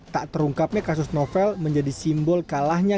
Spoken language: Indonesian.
tak terungkapnya kasus novel menjadi simbol kalahnya